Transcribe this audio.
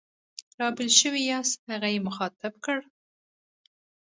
را بېل شوي یاست؟ هغه یې مخاطب کړ.